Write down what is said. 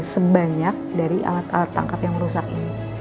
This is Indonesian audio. sebanyak dari alat alat tangkap yang rusak ini